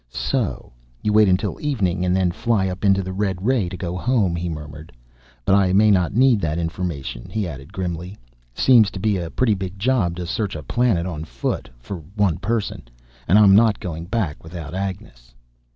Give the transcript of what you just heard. "So you wait till evening, and then fly up into the red ray, to go home," he muttered. "But I may not need that information," he added grimly. "Seems to be a pretty big job to search a planet on foot, for one person. And I'm not going back without Agnes!"